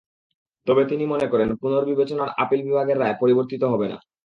তবে তিনি মনে করেন, পুনর্বিবেচনায় আপিল বিভাগের রায় পরিবর্তিত হবে না।